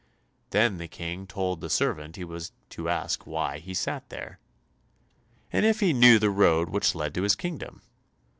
Then the King told the servant he was to ask why he sat there, and if he knew the road which led to his kingdom.